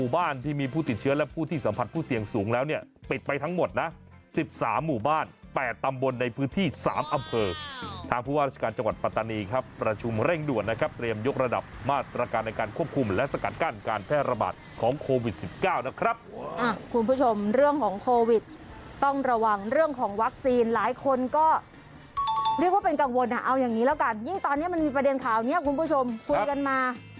บ้านแปดตำบลในพื้นที่สามอำเภอทางผู้ว่าราชการจังหวัดปัตตานีครับประชุมเร่งด่วนนะครับเตรียมยกระดับมาตรการในการควบคุมและสกัดการณ์การแพร่ระบาดของโควิดสิบเก้านะครับอ่ะคุณผู้ชมเรื่องของโควิดต้องระวังเรื่องของวัคซีนหลายคนก็เรียกว่าเป็นกังวลอ่ะเอาอย่างงี้แล้วกันยิ่งตอนเนี้ยมั